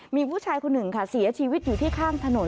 มีผู้ชายคนหนึ่งค่ะเสียชีวิตอยู่ที่ข้างถนน